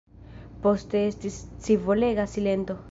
Poste estis scivolega silento.